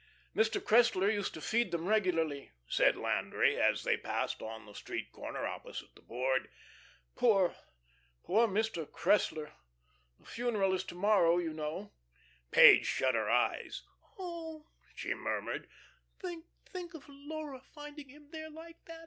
"Mr. Cressler used to feed them regularly," said Landry, as they paused on the street corner opposite the Board. "Poor poor Mr. Cressler the funeral is to morrow, you know." Page shut her eyes. "Oh," she murmured, "think, think of Laura finding him there like that.